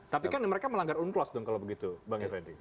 tapi kan mereka melanggar unclos dong kalau begitu bang effendi